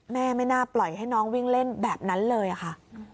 ไม่น่าปล่อยให้น้องวิ่งเล่นแบบนั้นเลยค่ะ